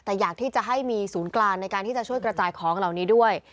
แต่อยากที่จะให้มีศูนย์กลางในการที่จะช่วยกระจายของเหล่านี้ด้วย